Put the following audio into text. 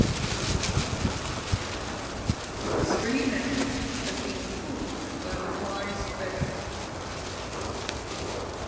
The three men had been fooled by the wise beggar.